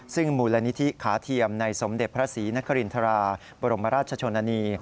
ซึ่งมูลนิธิขาเทียมในสมเด็จพระศรีนครินทราบรมราชชนนานี